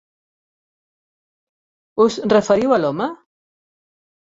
Us referiu a l'home?